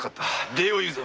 礼を言うぞ。